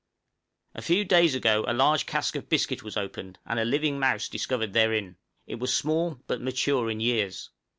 _" A few days ago a large cask of biscuit was opened, and a living mouse discovered therein! it was small, but mature in years.